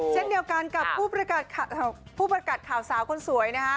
เช่นเดียวกันกับผู้ประกาศข่าวสาวคนสวยนะฮะ